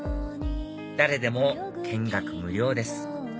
誰でも見学無料です